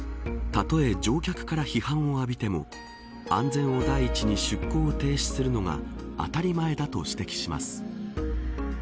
たとえ乗客から批判を浴びても安全を第一に出航を停止するのが当たり前だと指摘します。